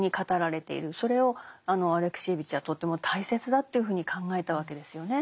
それをアレクシエーヴィチはとても大切だというふうに考えたわけですよね。